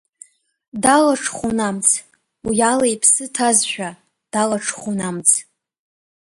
Далаҽхәон амц, уи ала иԥсы ҭазшәа, далаҽхәон амц.